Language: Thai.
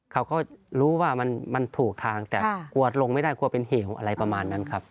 เขาก็รู้ว่ามันถูกทางแต่กลัวลงไม่ได้กลัวเป็นเหวอะไรประมาณนั้นครับ